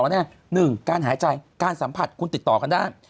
หนึ่งการหายใจการสัมผัสคุณติดต่อกันได้